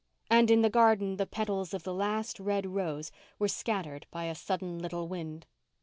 And in the garden the petals of the last red rose were scattered by a sudden little wind.